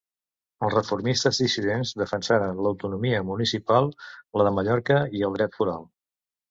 Els reformistes dissidents defensaren l'autonomia municipal, la de Mallorca i el dret foral.